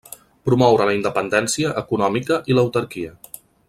Promoure la independència econòmica i l'autarquia.